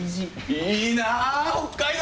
いいなあ北海道！